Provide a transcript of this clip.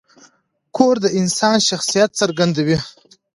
کور د انسان شخصیت څرګندوي.